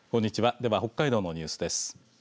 では北海道のニュースです。